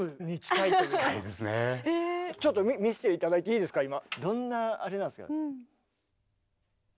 ちょっと見せて頂いていいですか今。